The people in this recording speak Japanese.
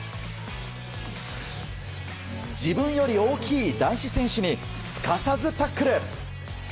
自分より大きい男子選手にすかさずタックル。